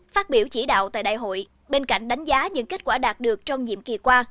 phát biểu chỉ đạo tại đại hội bên cạnh đánh giá những kết quả đạt được trong nhiệm kỳ qua